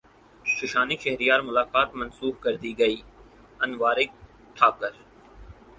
ششانک شہریار ملاقات منسوخ کردی گئیانوراگ ٹھاکر